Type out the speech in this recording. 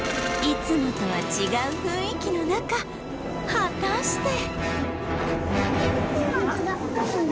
いつもとは違う雰囲気の中果たして